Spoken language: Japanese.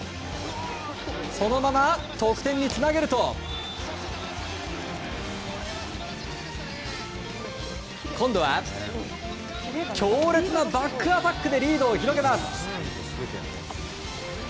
そのまま得点につなげると今度は強烈なバックアタックでリードを広げます。